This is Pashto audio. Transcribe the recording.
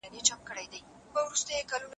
که ته شکر وباسې نو الله به دي مرتبه لوړه کړي.